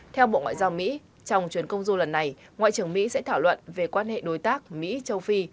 theo bộ ngoại giao mỹ trong chuyến công du lần này ngoại trưởng mỹ sẽ thảo luận về quan hệ đối tác mỹ châu phi